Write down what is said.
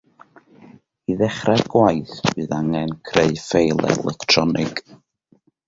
I ddechrau'r gwaith bydd angen creu ffeil electronig